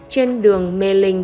trên đường mê linh